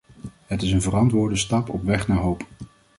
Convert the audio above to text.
Het is een verantwoorde stap op weg naar hoop.